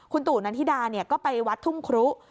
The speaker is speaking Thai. คุณตู่นันธิดาเนี่ยก็ไปวัดทุ่มครุ